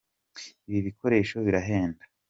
ibikoresho birahenda.